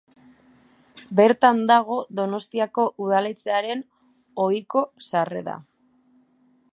Bertan dago Donostiako Udaletxearen ohiko sarrera.